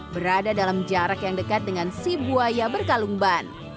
berada dalam jarak yang dekat dengan si buaya berkalumban